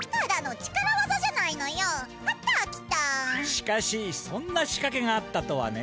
しかしそんなしかけがあったとはね。